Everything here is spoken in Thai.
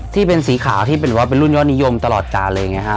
ที่เป็นสีขาวที่เป็นรุ่นยอดนิยมตลอดจานเลยไงฮะ